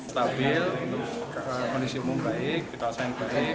stabil kondisi umum baik kita asal yang baik